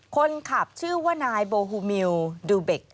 คนขับชื่อว่านายโบฮูมิลดูเบค